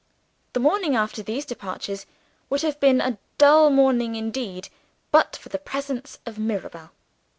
The morning after these departures would have been a dull morning indeed, but for the presence of Mirabel.